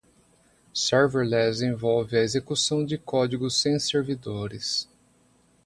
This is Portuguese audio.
Serverless envolve a execução de código sem servidores.